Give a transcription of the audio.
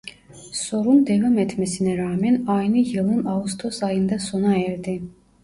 Sorun devam etmesine rağmen aynı yılın Ağustos ayında sona erdi.